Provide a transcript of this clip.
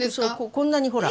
こんなにほら。